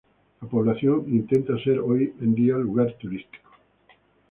La población intenta ser hoy en día lugar turístico.